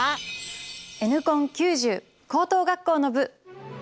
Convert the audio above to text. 「Ｎコン９０」高等学校の部。